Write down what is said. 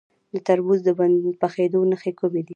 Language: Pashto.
د تربوز د پخیدو نښې کومې دي؟